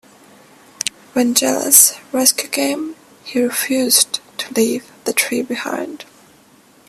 When Jela's rescue came, he refused to leave the tree behind.